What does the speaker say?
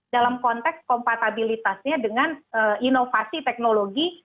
dalam konteks kompatabilitasnya dengan inovasi teknologi